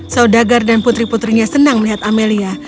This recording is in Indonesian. saudagar dan putri putrinya senang melihat amelia